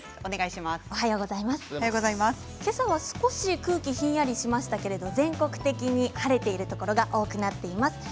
今朝は少し空気ひんやりしましたけど全国的に晴れているところが多くなっています。